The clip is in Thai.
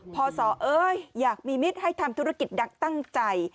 พศเอ้ยอยากมีมิตรให้ทำธุรกิจดังตั้งใจ